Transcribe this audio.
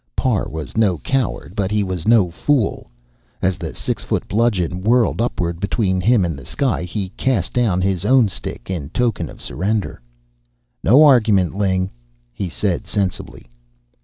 Parr was no coward, but he was no fool. As the six foot bludgeon whirled upward between him and the sky, he cast down his own stick in token of surrender. "No argument, Ling," he said sensibly.